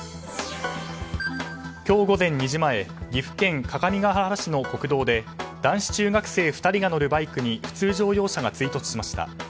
今日午前２時前岐阜県各務原市の国道で男子中学生２人が乗るバイクに普通乗用車が追突しました。